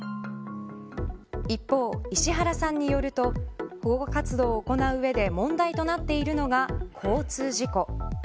一方、石原さんによると保護活動を行う上で問題となっているのが交通事故。